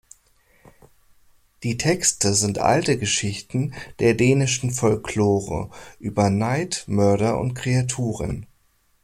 Die Texte sind alte Geschichten der dänischen Folklore über Neid, Mörder und Kreaturen.